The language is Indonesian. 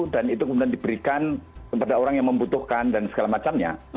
itu kemudian diberikan kepada orang yang membutuhkan dan segala macamnya